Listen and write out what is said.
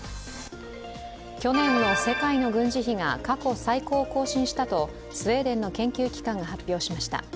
去年の世界の軍事費が過去最高を更新したとスウェーデンの研究機関が発表しました。